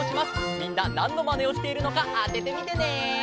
みんななんのまねをしているのかあててみてね！